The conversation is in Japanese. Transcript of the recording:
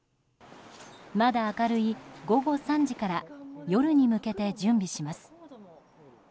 まだ明るい午後３時から夜に向けて準備します。